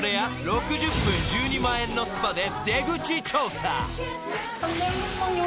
［６０分１２万円のスパで出口調査］